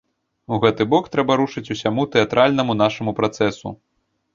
У гэты бок трэба рушыць усяму тэатральнаму нашаму працэсу.